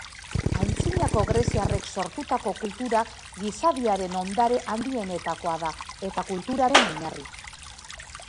Antzinako greziarrek sortutako kultura gizadiaren ondare handienetakoa da eta kulturaren oinarri.